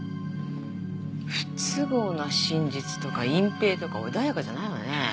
「不都合な真実」とか「隠蔽」とか穏やかじゃないわね。